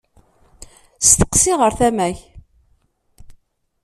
Steqsi ɣer tama-k.